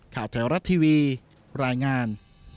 แถวรัฐทีวีรายงาน